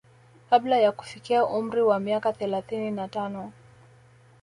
Kabla ya kufikia umri wa miaka thelathini na tano